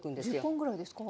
１０本ぐらいですか？